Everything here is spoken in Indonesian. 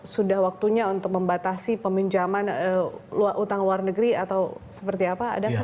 sudah waktunya untuk membatasi peminjaman utang luar negeri atau seperti apa